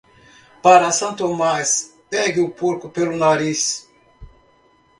Para São Tomás, pegue o porco pelo nariz.